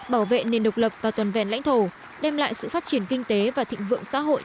bảo vệ nền độc lập và toàn vẹn lãnh thổ đem lại sự phát triển kinh tế và thịnh vượng xã hội